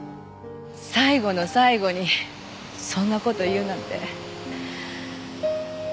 最期の最期にそんな事言うなんて。